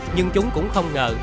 nhưng chúng cũng không ngờ